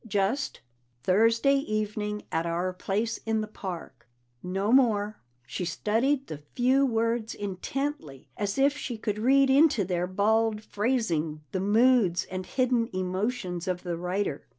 Just, "Thursday evening at our place in the park." No more; she studied the few words intently, as if she could read into their bald phrasing the moods and hidden emotions of the writer.